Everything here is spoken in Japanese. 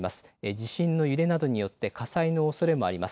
地震の揺れなどによって火災のおそれもあります。